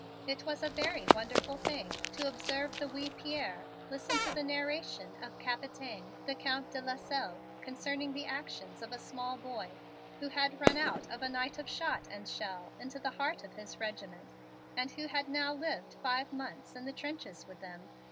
It was a very wonderful thing to observe the wee Pierre listen to the narration of Capitaine, the Count de Lasselles, concerning the actions of a small boy who had run out of a night of shot and shell into the heart of his regiment and who had now lived five months in the trenches with them.